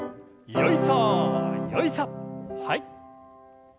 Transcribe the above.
はい。